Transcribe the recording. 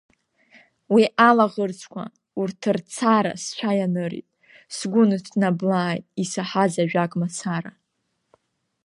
Уи алаӷырӡқәа, урҭ рцара сцәа ианырит, сгәы ныҭнаблааит исаҳаз ажәак мацара.